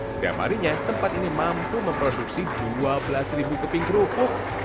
setiap harinya tempat ini mampu memproduksi dua belas keping kerupuk